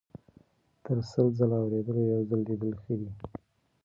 - تر سل ځل اوریدلو یو ځل لیدل ښه دي.